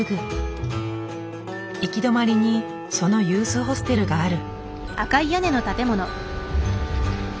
行き止まりにそのユースホステルがある。